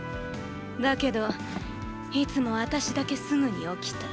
だけどいつもあたしだけすぐに起きた。